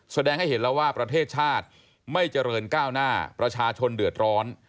แสดงให้เห็นแล้วว่าประเทศชาติไม่เจริญก้าวหน้าประชาชนเดือดร้อน